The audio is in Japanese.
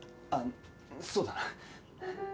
あっそうだな。